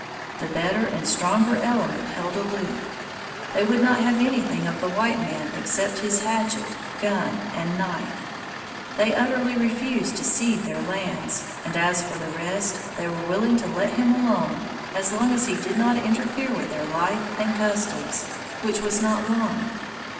The better and stronger element held aloof. They would not have anything of the white man except his hatchet, gun, and knife. They utterly refused to cede their lands; and as for the rest, they were willing to let him alone as long as he did not interfere with their life and customs, which was not long.